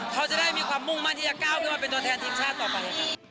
เขาจะได้มีความมุ่งมั่นที่จะก้าวขึ้นมาเป็นตัวแทนทีมชาติต่อไป